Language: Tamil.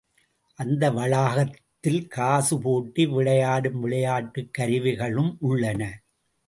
அந்த வளாகத்தில் காசு போட்டு விளையாடும் விளையாட்டுக் கருவிகளும் உள்ளன.